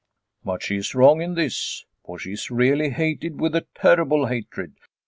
But she is wrong in this, for she is really hated with a terrible hatred.